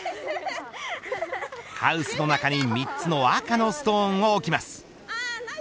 ハウスの中に３つの赤のストーンをおきます